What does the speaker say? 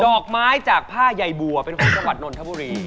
อกไม้จากผ้าใยบัวเป็นของจังหวัดนนทบุรี